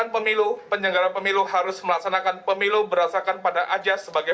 pemilihan umum anggota dewan perwakilan rakyat daerah